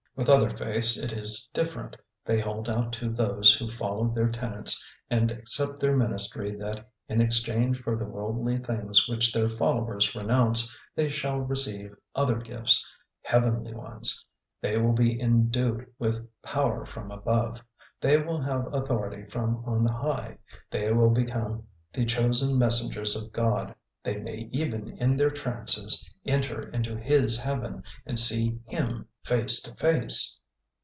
With other faiths it is different: they hold out to those who follow their tenets and accept their ministry that in exchange for the worldly things which their followers renounce they shall receive other gifts, heavenly ones; they will be endued with power from above; they will have authority from on high; they will become the chosen messengers of God; they may even in their trances enter into His heaven, and see Him face to face.